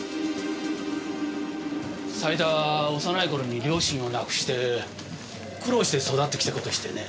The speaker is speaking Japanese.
斎田は幼い頃に両親を亡くして苦労して育ってきた子でしてね。